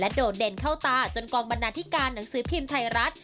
โดดเด่นเข้าตาจนกองบรรณาธิการหนังสือพิมพ์ไทยรัฐ